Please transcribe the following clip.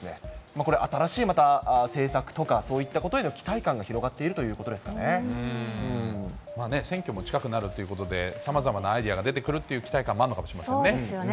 これ、新しいまた政策とかそういったことへの期待感が広がっているとい選挙も近くなるっていうことで、さまざまなアイデアが出てくるという期待感もあるのかもしれないそうですね。